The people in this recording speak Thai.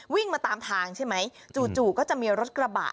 วิ่งมาตามทางใช่ไหมจู่ก็จะมีรถกระบะ